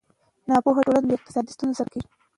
ناپوهه ټولنه له اقتصادي ستونزو سره مخ کېږي.